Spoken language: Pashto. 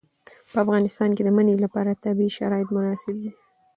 په افغانستان کې د منی لپاره طبیعي شرایط مناسب دي.